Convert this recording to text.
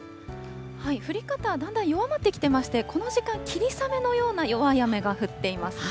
降り方はだんだん弱まってきてまして、この時間、霧雨のような弱い雨が降っていますね。